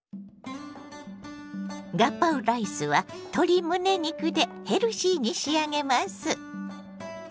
ガパオライスは鶏むね肉でヘルシーに仕上げます。